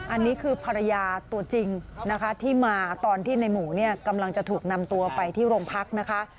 อันนี้คือภรรยาตัวจริงนะคะที่มาตอนที่ในหมูเนี่ยกำลังจะถูกนำตัวไปที่โรงพักนะคะ